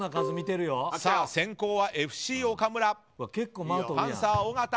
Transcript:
先攻はＦＣ岡村。